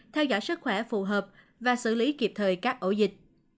theo dõi sức khỏe phù hợp và xử lý kịp thời các ổ dịch